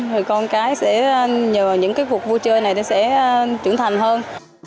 người con cái sẽ nhờ những cuộc vui chơi này sẽ trưởng thành hơn